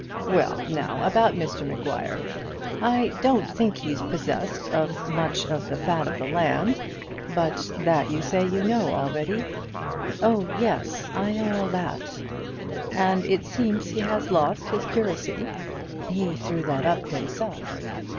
"Well, now about Mr Maguire. I don't think he's possessed of much of the fat of the land; but that you say you know already?" "Oh yes, I know all that." "And it seems he has lost his curacy?" "He threw that up himself."